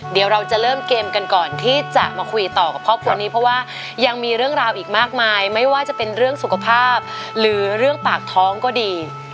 เดี๋ยวเราจะเริ่มเกมกันก่อนที่จะมาคุยต่อกับครอบครัวนี้เพราะว่ายังมีเรื่องราวอีกมากมายไม่ว่าจะเป็นเรื่องสุขภาพหรือเรื่องปากท้องก็ดี